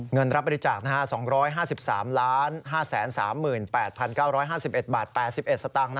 เงินรับบริจาค๒๕๓๕๓๘๙๕๑บาท๘๑สตางค์